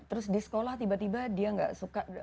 terus di sekolah tiba tiba dia nggak suka